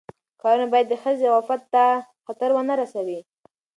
کارونه باید د ښځې عفت ته خطر ونه رسوي.